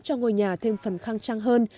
cho ngôi nhà thêm phần khang trang hơn